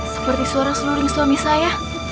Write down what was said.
seperti suara seluruh suami saya